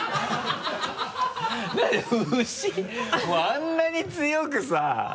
あんなに強くさ。